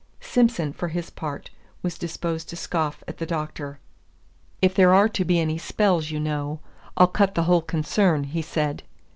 Simson, for his part, was disposed to scoff at the Doctor. "If there are to be any spells, you know, I'll cut the whole concern," he said.